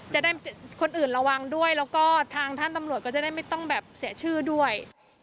จะได้คนอื่นระวังด้วยแล้วก็ทางท่านตำรวจก็จะได้ไม่ต้องแบบเสียชื่อด้วย